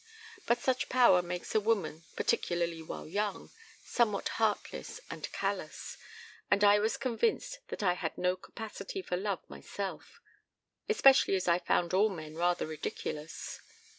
But such power makes a woman, particularly while young, somewhat heartless and callous, and I was convinced that I had no capacity for love myself; especially as I found all men rather ridiculous.